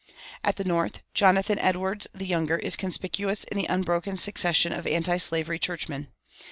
"[222:1] At the North, Jonathan Edwards the Younger is conspicuous in the unbroken succession of antislavery churchmen.